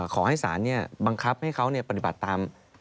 ขอให้สารบังคับให้เขาปฏิบัติตาม